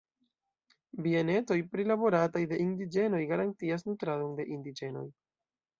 Bienetoj prilaborataj de indiĝenoj garantias nutradon de indiĝenoj.